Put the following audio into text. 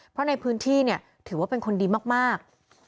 เพราะในพื้นที่เนี่ยถือว่าเป็นคนดีมาก